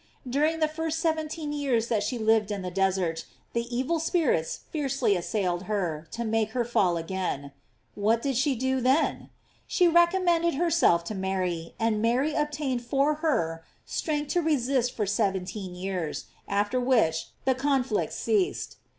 During the first seventeen years that she lived in the desert, the evil spirits fiercely assailed her, to make her fall again. What did she then do? She recom mended herself to Mary, and Mary obtained for her strength to resist for seventeen years, after which the conflict ceased.